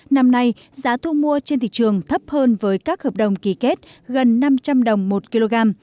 năm nay giá thu mua trên thị trường thấp hơn với các hợp đồng ký kết gần năm trăm linh đồng một kg